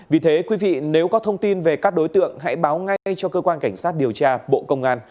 vì thế quý vị nếu có thông tin về các đối tượng hãy báo ngay cho cơ quan cảnh sát điều tra bộ công an